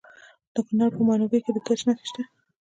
د کونړ په ماڼوګي کې د ګچ نښې شته.